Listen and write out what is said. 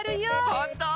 ほんと？